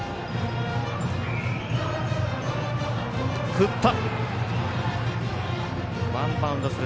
振った。